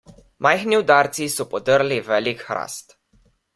Majhni udarci so podrli velik hrast.